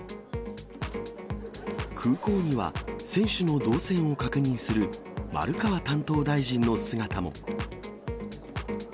空港には、選手の動線を確認する丸川担当大臣の姿も。